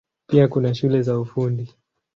Pia kuna shule za Ufundi.